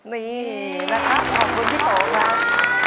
นี่นะครับขอบคุณทุกครับ